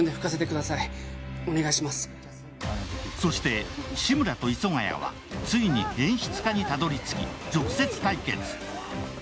そして、志村と磯ヶ谷はついに演出家にたどりつき、直接対決。